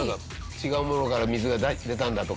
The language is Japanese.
「違うものから水が出たんだ」とか。